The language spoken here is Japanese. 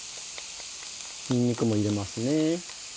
にんにくも入れますね。